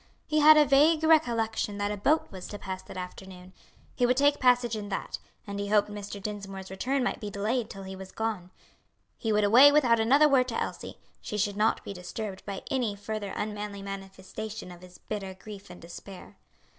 He had a vague recollection that a boat was to pass that afternoon. He would take passage in that, and he hoped Mr. Dinsmore's return might be delayed till he was gone. He would away without another word to Elsie; she should not be disturbed by any further unmanly manifestation of his bitter grief and despair.